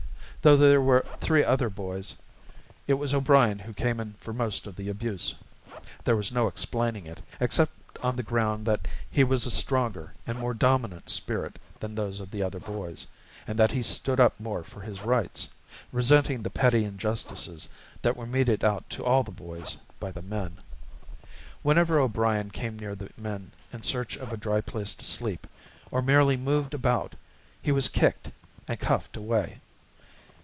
Though there were three other boys, it was O'Brien who came in for most of the abuse. There was no explaining it, except on the ground that his was a stronger and more dominant spirit than those of the other boys, and that he stood up more for his rights, resenting the petty injustices that were meted out to all the boys by the men. Whenever O'Brien came near the men in search of a dry place to sleep, or merely moved about, he was kicked and cuffed away.